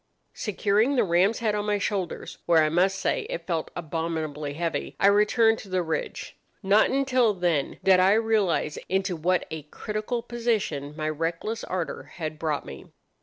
"Securing the ram's head on my shoulders, where I must say it felt abominably heavy, I returned to the ridge. Not until then did I realize into what a critical position my reckless ardour had brought me.